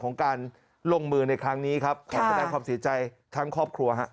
ของการลงมือในครั้งนี้ครับขอแสดงความเสียใจทั้งครอบครัวฮะ